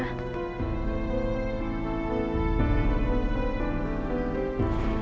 kami sudah berdua